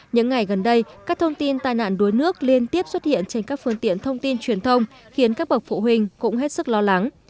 những ngày gần đây các thông tin tai nạn đuối nước liên tiếp xuất hiện trên các phương tiện thông tin truyền thông khiến các bậc phụ huynh cũng hết sức lo lắng